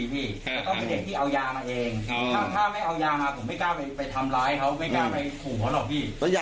แต่ต้องเป็นเด็กที่เอายามาเองถ้าไม่เอายามาผมไม่กล้าไปทำร้ายเขาไม่กล้าไปขู่เขาหรอกพี่